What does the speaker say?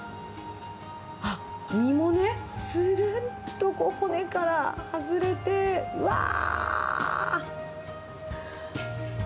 身もね、するんと骨から外れて、うわぁ。